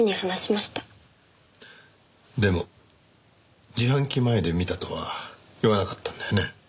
でも自販機前で見たとは言わなかったんだよね？